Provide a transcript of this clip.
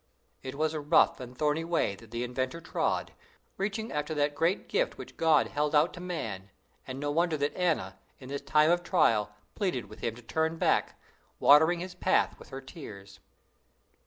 It was a rough and thorny way that the inventor trod, reaching after that great gift which God held out to man, and no wonder that Anna, in this time of trial, pleaded with him to turn back, watering his path with her tears.